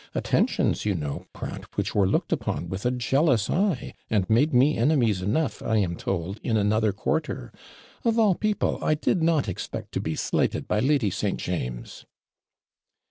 attentions, you know, Pratt, which were looked upon with a jealous eye, and made me enemies enough, I am told, in another quarter! Of all people, I did not expect to be slighted by Lady St. James!'